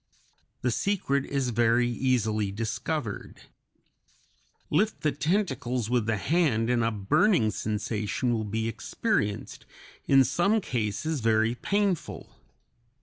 The secret is very easily discovered. Lift the tentacles with the hand and a burning sensation will be experienced, in some cases very painful.